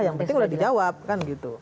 yang penting udah di jawab kan gitu